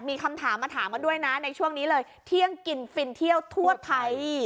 มีคำถามมาถามกันด้วยนะในช่วงนี้เลยเที่ยงกินฟินเที่ยวทั่วไทย